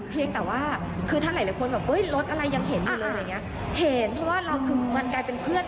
เพียงแต่ว่าคือถ้าหลายคนแบบรถอะไรยังเห็นอยู่เลย